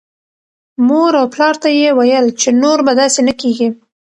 مور او پلار ته یې ویل چې نور به داسې نه کېږي.